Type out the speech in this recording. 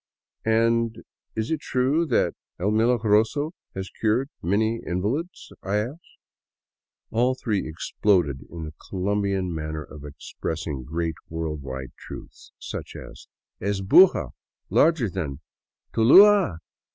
" And is it true that El Milagroso has cured many invalids ?'^ I asked. All three exploded in the Colombian manner of expressing great world wide truths, such as, " Is Buga larger than Tulua ?